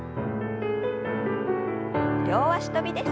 両脚跳びです。